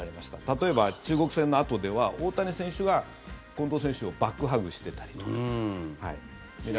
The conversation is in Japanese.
例えば、中国戦のあとでは大谷選手が近藤選手をバックハグしてたりとか。